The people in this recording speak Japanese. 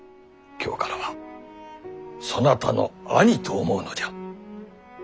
今日からはそなたの兄と思うのじゃ。